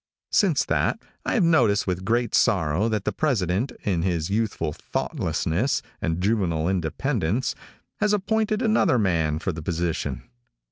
Since that, I have noticed with great sorrow that the President, in his youthful thoughtlessness and juvenile independence, has appointed another man for the position.